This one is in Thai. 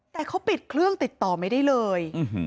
แต่เขาปิดเครื่องติดต่อไม่ได้เลย